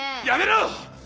やめろ！